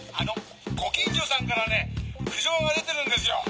「ご近所さんからね苦情が出てるんですよ」